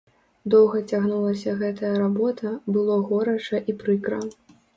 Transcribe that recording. Доўга цягнулася гэтая работа, было горача і прыкра.